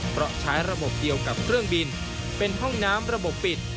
เพราะใช้ระบบเดียวกับเครื่องบินเป็นห้องน้ำระบบปิด